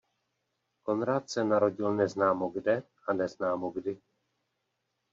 Konrad se narodil neznámo kde a neznámo kdy.